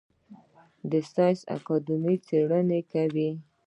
د ساینس اکاډمي څیړنې کوي؟